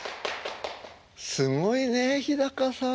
すごいね日さん。